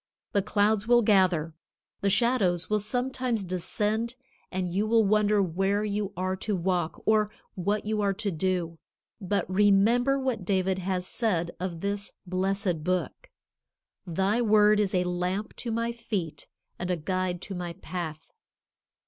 The clouds will gather. The shadows will sometimes descend and you will wonder where you are to walk, or what you are to do. But remember what David has said of this blessed Book: "Thy word is a lamp to my feet and a guide to my path."